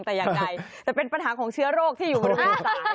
แต่อย่างใดแต่เป็นปัญหาของเชื้อโรคที่อยู่บน๕๓